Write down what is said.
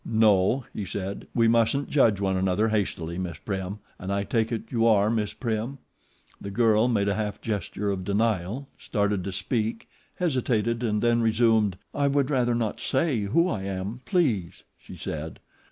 "No," he said, "we mustn't judge one another hastily, Miss Prim, and I take it you are Miss Prim?" The girl made a half gesture of denial, started to speak, hesitated and then resumed. "I would rather not say who I am, please," she said.